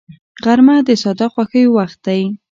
غرمه د ساده خوښیو وخت دی